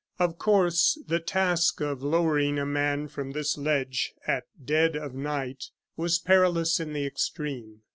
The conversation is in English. Of course, the task of lowering a man from this ledge, at dead of night, was perilous in the extreme.